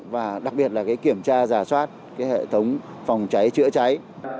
và đặc biệt là kiểm tra giả soát hệ thống phòng cháy chữa cháy